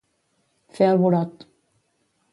Fer el burot.